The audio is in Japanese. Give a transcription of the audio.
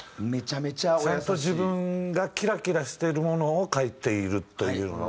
ちゃんと自分がキラキラしてるものを書いているというの。